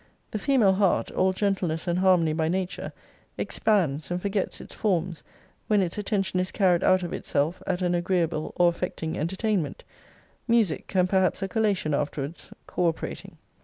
The female heart (all gentleness and harmony by nature) expands, and forgets its forms, when its attention is carried out of itself at an agreeable or affecting entertainment music, and perhaps a collation afterwards, co operating.